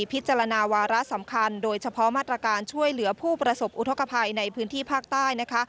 พิจารณาวาระสำคัญโดยเฉพาะมาตรการช่วยเหลือผู้ประสบอุทธกภัยในพื้นที่ภาคใต้นะคะ